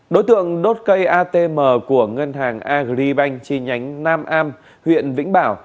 đối tượng đốt cây atm của ngân hàng agribank chi nhánh nam am huyện vĩnh bảo